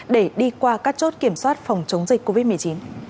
để đi qua các chốt kiểm soát phòng chống dịch covid một mươi chín